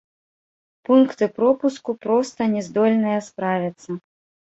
Пункты пропуску проста не здольныя справіцца.